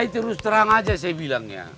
terus terang aja saya bilang ya